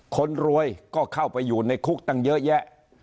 คนรวยก็เข้าไปอยู่ในคุกตั้งเยอะแยะ